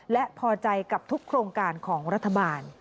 และพอใจกับทุกโครงการของรัฐบาล